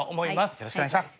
よろしくお願いします。